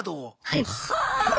はい。